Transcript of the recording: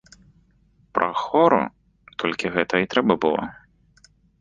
Прахору толькі гэтага і трэба было.